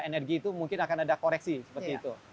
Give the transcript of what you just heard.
energi itu mungkin akan ada koreksi seperti itu